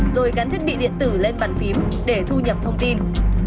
rồi gắn thiết bị điện tử lên bàn phím để thu nhập thông tin